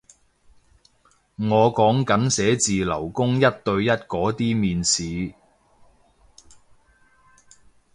我講緊寫字樓工一對一嗰啲面試